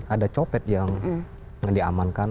ada copet yang diamankan